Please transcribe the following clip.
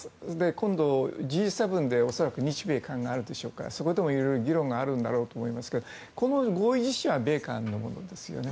今度、Ｇ７で恐らく日米韓があるでしょうからそこでもいろいろ議論があるんだろうと思いますけどこの合意自身は米韓のものですよね。